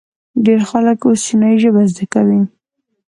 ډیر خلک اوس چینایي ژبه زده کوي.